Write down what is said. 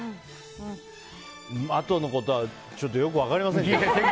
あとのことはちょっとよく分かりませんけど。